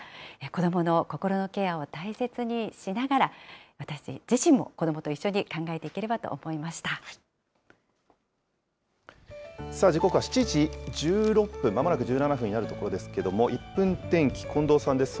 子どもの心のケアを大切にしながら、私自身も子どもと一緒に考え時刻は７時１６分、まもなく１７分になるところですけれども、１分天気、近藤さんです。